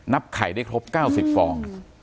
ไข่ได้ครบ๙๐ฟอง